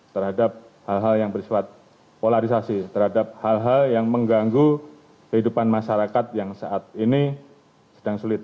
terhadap hal hal yang bersifat polarisasi terhadap hal hal yang mengganggu kehidupan masyarakat yang saat ini sedang sulit